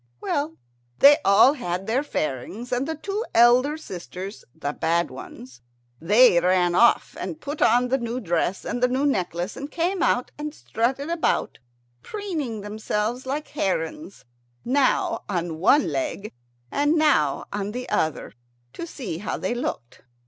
Well, they all had their fairings, and the two elder sisters, the bad ones, they ran off and put on the new dress and the new necklace, and came out and strutted about, preening themselves like herons, now on one leg and now on the other, to see how they looked.